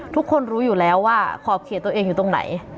ทุกคนรู้อยู่แล้วว่าขอบเขตตัวเองอยู่ตรงไหน